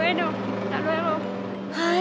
はい。